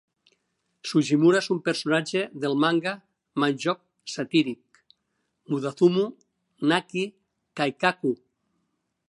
Sugimura és un personatge del manga mahjong satíric "Mudazumo Naki Kaikaku".